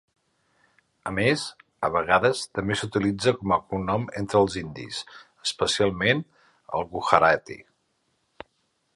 A més, a vegades també s'utilitza com a cognom entre els indis, especialment els Gujarati.